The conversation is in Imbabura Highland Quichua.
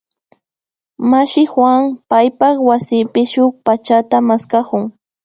Mashi Juan paypak wasipi shuk pachata maskakun